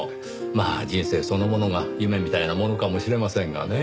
まあ人生そのものが夢みたいなものかもしれませんがね。